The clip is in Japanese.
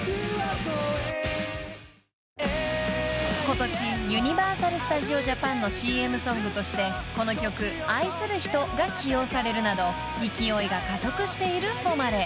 ［ことしユニバーサル・スタジオ・ジャパンのＣＭソングとしてこの曲『愛する人』が起用されるなど勢いが加速しているＦＯＭＡＲＥ］